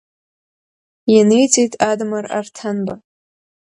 Ианиҵеит Адамыр Арҭанба…